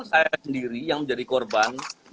saya sendiri yang menjadi korban